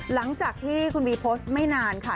หลังจากที่คุณวีโพสต์ไม่นานค่ะ